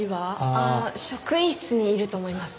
ああ職員室にいると思います。